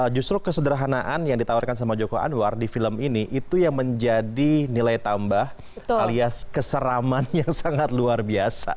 justru kesederhanaan yang ditawarkan sama joko anwar di film ini itu yang menjadi nilai tambah alias keseraman yang sangat luar biasa